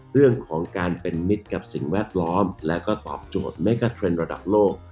เรื่องของการเป็นมิตรกับสิ่งแวดล้อมและก็ตอบโจทย์เมกาเทรนด์ระดับโลก